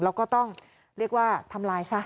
แล้วก็ต้องเรียกว่าทำลายซะ